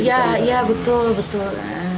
iya iya betul betul